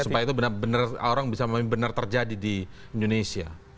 supaya itu microorganim bener terjadi di indonesia